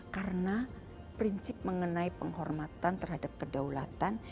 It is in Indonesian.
karena prinsip mengenai penghormatan terhadap kedaulatan